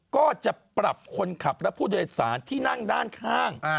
ก็จะปรับคนขับและผู้โดยสารที่นั่งด้านข้าง